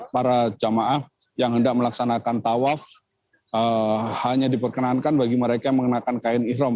para jamaah yang hendak melaksanakan tawaf hanya diperkenankan bagi mereka yang mengenakan kain ihrom